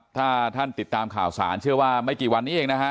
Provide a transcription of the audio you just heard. ถ้าท่านติดตามข่าวสารเชื่อว่าไม่กี่วันนี้เองนะฮะ